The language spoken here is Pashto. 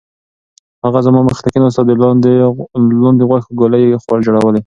هغه زما مخې ته کېناست او د لاندي غوښې ګولې یې جوړولې.